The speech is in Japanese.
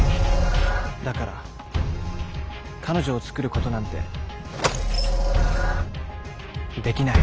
だから彼女を作ることなんてできない。